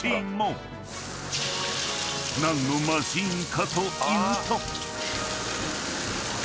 ［何のマシンかというと］